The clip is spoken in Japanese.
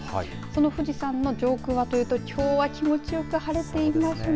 富士山の上空はというときょうは気持ちよく晴れていますね。